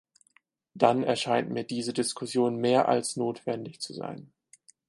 Dann erscheint mir diese Diskussion mehr als notwendig zu sein.